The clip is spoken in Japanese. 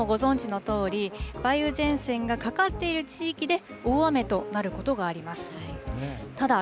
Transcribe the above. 皆さんもご存じのとおり、梅雨前線がかかっている地域で、大雨となることがあります。